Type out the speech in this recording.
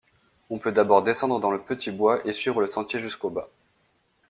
On peut d'abord descendre dans le petit bois et suivre le sentier jusqu'au bas.